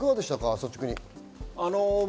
率直に。